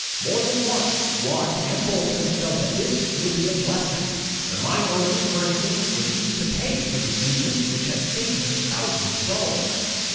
More than once Watt and Boulton felt that this would be a blessing. The mine owners, for instance, re fused to pay for the engines which had saved them thou sands of dollars.